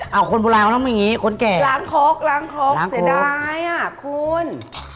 เอาคนปลาวน้ำมีอย่างงี้คนแก่ล้างครกล้างครกเสียดายอ่ะคุณ